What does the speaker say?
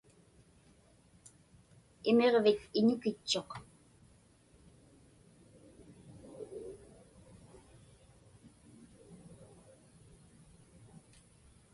Imiġvik iñukitchuq.